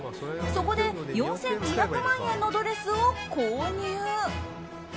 そこで４２００万円のドレスを購入。